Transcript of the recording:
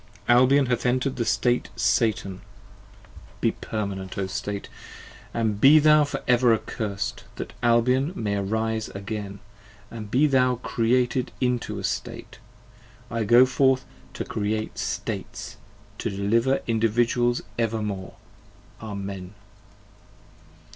Albion hath enter'd the State Satan! Be permanent O State! And be thou for ever accursed! that Albion may arise again. 15 And be thou created into a State! I go forth to Create States! to deliver Individuals evermore ! Amen.